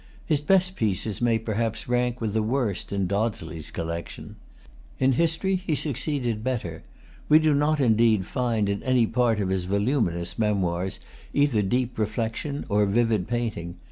His best pieces may perhaps rank with the worst in Dodsley's collection. In history, he succeeded better. We do not indeed find in any part of his voluminous Memoirs either deep reflection or vivid painting.